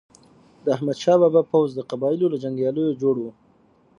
د احمد شاه بابا پوځ د قبایلو له جنګیالیو جوړ و.